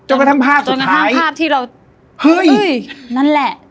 กระทั่งภาพจนกระทั่งภาพที่เราเฮ้ยนั่นแหละ